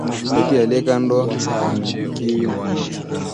Eti aliye kando haangukiwi na mti